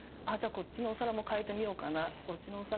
こっちのお皿も替えてみようかな。